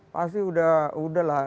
pasti udah lah